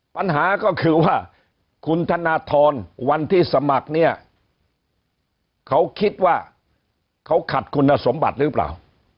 ปัญหาก็คือว่าคุณธนทรวันที่สมัครเนี่ยเขาคิดว่าเขาขัดคุณสมบัติหรือเปล่า